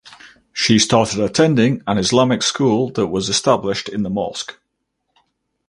She started attending an Islamic school that was established in the mosque.